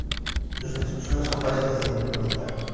Sus instrucciones son fáciles de implementar.